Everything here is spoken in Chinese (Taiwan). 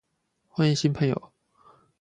歡迎新朋友